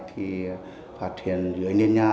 thì phát triển dưới nền nhà